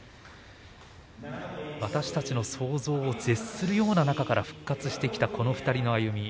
私たちの想像を絶するようなところから復活してきたこの２人の歩み。